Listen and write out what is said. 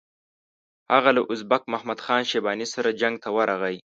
هغه له ازبک محمد خان شیباني سره جنګ ته ورغی.